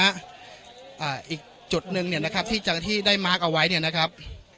อ่าอีกจุดหนึ่งเนี่ยนะครับที่เจ้าหน้าที่ได้มาร์คเอาไว้เนี่ยนะครับ